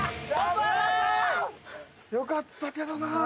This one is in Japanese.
よかったけどな。